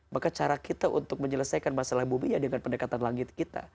maka cara kita untuk menyelesaikan masalah bumi ya dengan pendekatan langit kita